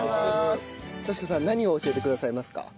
敏子さん何を教えてくださいますか？